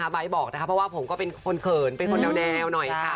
ใบบอกนะคะเพราะว่าผมก็เป็นคนเขินเป็นคนแนวหน่อยค่ะ